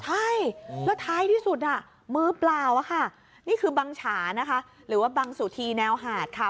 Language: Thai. ใช่และท้ายที่สุดมือเปล่าอ่าค่ะนี่คือบังฉาหรือบังสูทีแนวหาดค่ะ